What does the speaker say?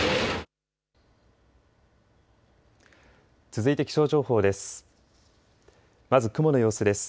続いて気象情報です。